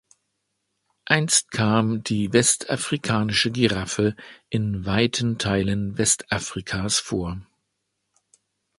Einst kam die Westafrikanische Giraffe in weiten Teilen Westafrikas vor.